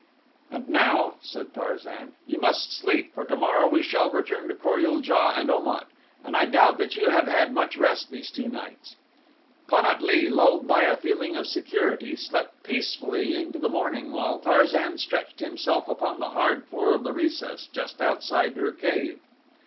"And now," said Tarzan, "you must sleep, for tomorrow we shall return to Kor ul JA and Om at, and I doubt that you have had much rest these two nights." Pan at lee, lulled by a feeling of security, slept peacefully into the morning while Tarzan stretched himself upon the hard floor of the recess just outside her cave.